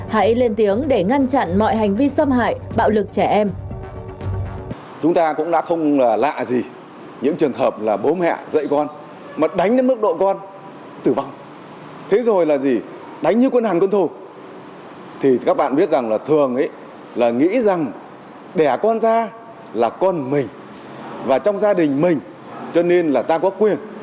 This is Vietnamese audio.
hãy lên tiếng để ngăn chặn mọi hành vi xâm hại bạo lực trẻ em